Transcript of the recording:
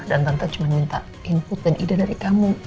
dan tante cuma minta input dan ide dari kamu